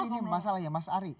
ini masalah ya mas ari